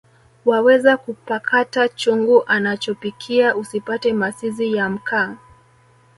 Wawezakupakata chungu anachopikia usipate masizi ya mkaa